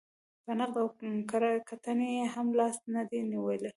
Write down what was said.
په نقد او کره کتنې یې هم لاس نه دی نېولی.